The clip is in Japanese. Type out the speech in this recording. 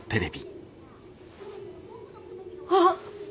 あっ！